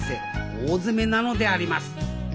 大詰めなのであります！